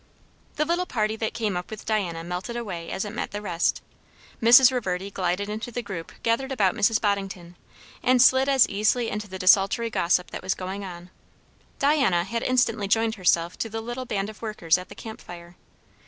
The little party that came up with Diana melted away as it met the rest. Mrs. Reverdy glided into the group gathered about Mrs. Boddington, and slid as easily into the desultory gossip that was going on. Diana had instantly joined herself to the little band of workers at the camp fire.